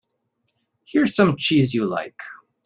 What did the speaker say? Here's some cheese you like.